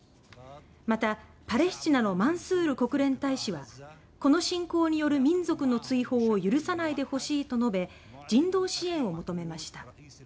また、パレスチナのマンスール国連大使はこの侵攻による民族の追放を許さないでほしいと述べ人道支援を求めました。